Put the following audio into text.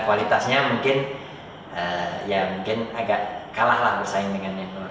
kualitasnya mungkin ya mungkin agak kalah lah bersaing dengan myanmar